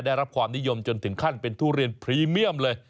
ได้รับความนิยมจนถึงขั้นเป็นทุเรียนพรีเมียมเลย